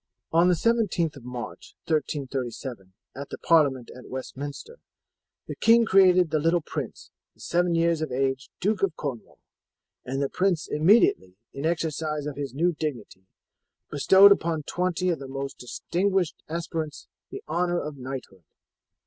"On the 17th of March, 1337, at the parliament at Westminster, the king created the little prince, then seven years of age, Duke of Cornwall; and the prince immediately, in exercise of his new dignity, bestowed upon twenty of the most distinguished aspirants the honour of knighthood.